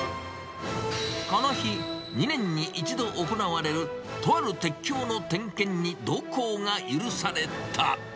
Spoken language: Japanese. この日、２年に１度行われる、とある鉄橋の点検に同行が許された。